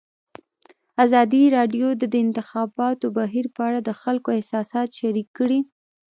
ازادي راډیو د د انتخاباتو بهیر په اړه د خلکو احساسات شریک کړي.